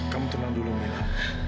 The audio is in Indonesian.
kamu tenang dulu mila